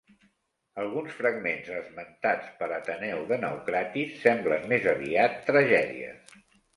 Alguns fragments esmentats per Ateneu de Naucratis semblen més aviat tragèdies.